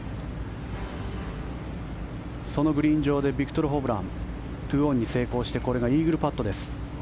そのグリーン上でビクトル・ホブラン２オンに成功してこれがイーグルパットです。